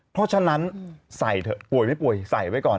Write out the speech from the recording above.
เพราะฉะนั้นใส่เถอะป่วยไม่ป่วยใส่ไว้ก่อน